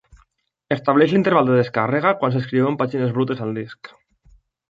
Estableix l'interval de descàrrega quan s'escriuen pàgines brutes al disc.